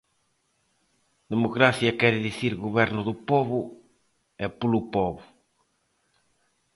Democracia quere dicir goberno do pobo e polo pobo.